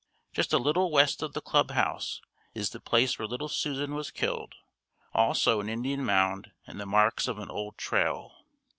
Just a little west of the club house is the place where little Susan was killed, also an Indian mound and the marks of an old trail.